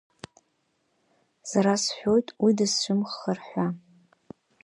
Сара сшәоит уи дысцәымӷхар ҳәа.